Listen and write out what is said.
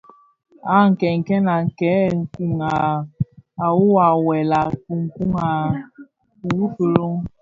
À kenken à këë kun à wuwà wëll, à kunkun à wu filo.